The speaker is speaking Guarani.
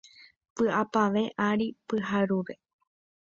¡Vy’apavẽ ary pyahúre!